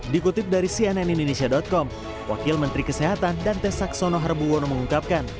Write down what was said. dikutip dari cnn indonesia com wakil menteri kesehatan dante saxono harbuwono mengungkapkan